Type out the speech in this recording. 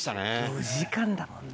４時間だもんな。